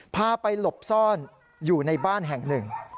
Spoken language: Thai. พาไปหลบซ่อนอยู่ในบ้านแห่งหนึ่ง